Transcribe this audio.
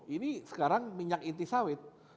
ini sekarang minyak inti sawit